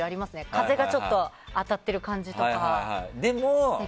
風がちょっと当たっている感じとか素敵。